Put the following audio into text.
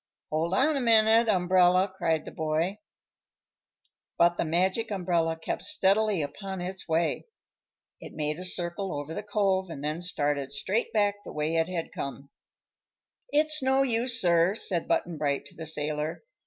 "Hold on a minute, Umbrella!" cried the boy. But the Magic Umbrella kept steadily upon its way. It made a circle over the Cove and then started straight back the way it had come. "It's no use, sir," said Button Bright to the sailor.